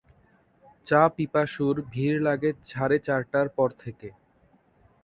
চা-পিপাসুর ভিড় লাগে সাড়ে চারটার পর থেকে।